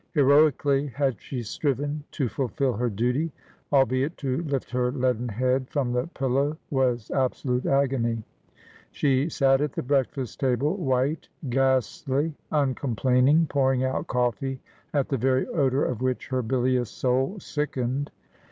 Heroically had she striven to fulfil her duty, albeit to lift her leaden head from the pillow was absolute agony. She sat at the breakfast table, white, ghastly, uncomplaining, pouring out coffee, at the very odour of which her bilious soul sickened.